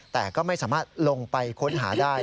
แต่ก็ไม่สามารถลงไปค้นหาได้